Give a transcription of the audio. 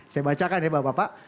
saya bacakan ya bapak bapak